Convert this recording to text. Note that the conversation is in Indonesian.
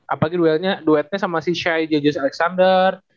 apalagi duet nya duet nya sama si shai j j alexander